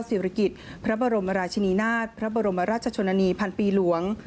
ศิริกิจพระบรมราชินีนาฏพระบรมราชชนนานีพันปีหลวง